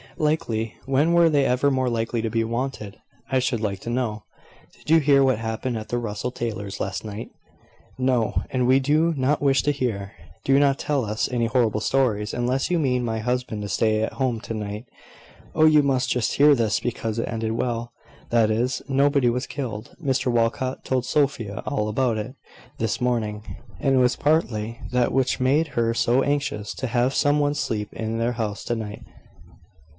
"Likely! when were they ever more likely to be wanted, I should like to know! Did you hear what happened at the Russell Taylors' last night?" "No; and we do not wish to hear. Do not tell us any horrible stories, unless you mean my husband to stay at home to night." "Oh, you must just hear this, because it ended well; that is, nobody was killed. Mr Walcot told Sophia all about it this morning; and it was partly that which made her so anxious to have some one sleep in the house to night."